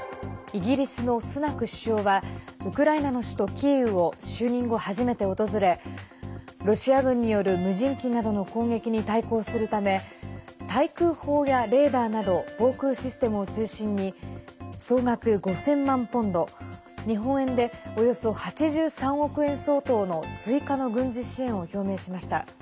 イギリスのスナク首相はウクライナの首都キーウを就任後、初めて訪れロシア軍による無人機などの攻撃に対抗するため対空砲やレーダーなど防空システムを中心に総額５０００万ポンド日本円で、およそ８３億円相当の追加の軍事支援を表明しました。